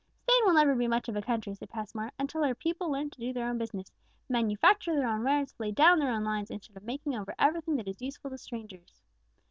"Spain will never be much of a country," said Passmore, "until her people learn to do their own business, manufacture their own wares, lay down their own lines, instead of making over everything that is useful to strangers.